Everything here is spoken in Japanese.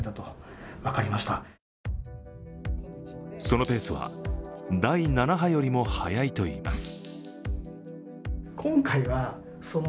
そのペースは第７波よりも速いといいます。